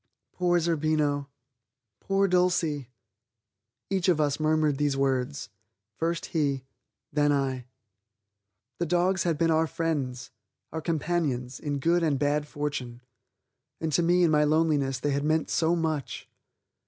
"Poor Zerbino; poor Dulcie!" Each of us murmured these words; first he, then I. The dogs had been our friends, our companions, in good and bad fortune, and to me in my loneliness they had meant so much.